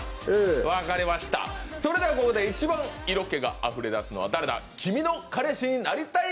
それではここで一番色気があふれ出すのは誰だ、「君の彼氏になりたい」